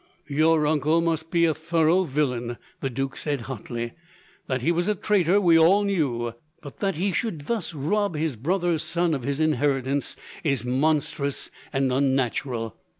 "Your uncle must be a thorough villain," the duke said, hotly. "That he was a traitor we all knew, but that he should thus rob his brother's son of his inheritance is monstrous and unnatural."